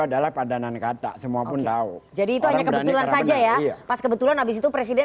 adalah padanan kata semua pun tahu jadi itu hanya kebetulan saja ya pas kebetulan habis itu presiden